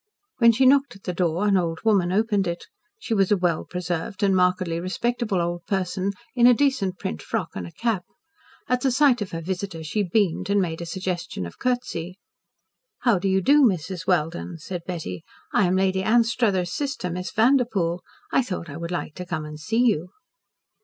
When she knocked at the door an old woman opened it. She was a well preserved and markedly respectable old person, in a decent print frock and a cap. At the sight of her visitor she beamed and made a suggestion of curtsey. "How do you do, Mrs. Welden?" said Betty. "I am Lady Anstruthers' sister, Miss Vanderpoel. I thought I would like to come and see you."